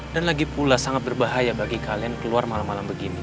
dan lagi pula sangat berbahaya bagi kalian keluar malam malam begini